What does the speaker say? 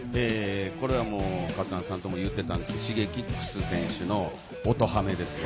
ＫＡＴＳＵＯＮＥさんとも言ってたんですけどＳｈｉｇｅｋｉｘ選手の音ハメですね。